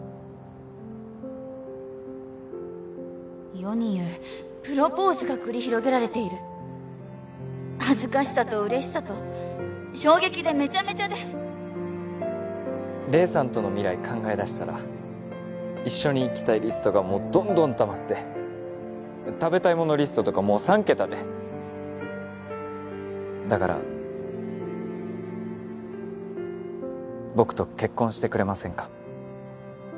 世に言うプロポーズが繰り広げられている恥ずかしさと嬉しさと衝撃でめちゃめちゃで黎さんとの未来考えだしたら一緒に行きたいリストがもうどんどんたまって食べたいものリストとかもう３桁でだから僕と結婚してくれませんか？